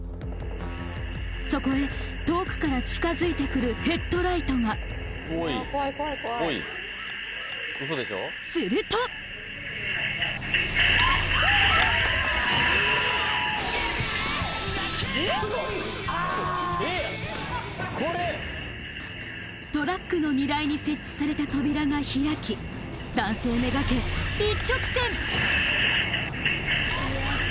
そこへ遠くから近づいてくるヘッドライトがするとトラックの荷台に設置された扉が開き男性目がけ一直線！